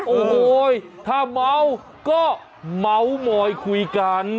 โอ้โหถ้าเมาก็เมามอยคุยกัน